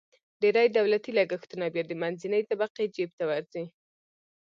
ډېری دولتي لګښتونه بیا د منځنۍ طبقې جیب ته ورځي.